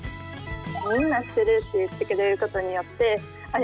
みんなしてるって言ってくれることによってあっ